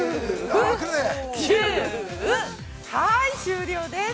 はい、終了です。